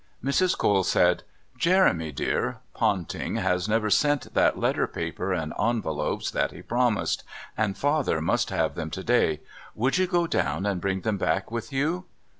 Mrs. Cole said: "Jeremy, dear, Ponting has never sent that letter paper and envelopes that he promised, and Father must have them to day. Would you go down and bring them back with you?